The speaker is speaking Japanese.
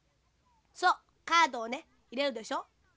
そうカードをねいれるでしょ。